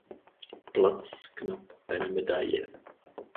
Platz knapp eine Medaille.